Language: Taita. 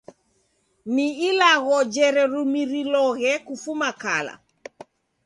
Ni ilagho jererumiriloghe kufuma kala.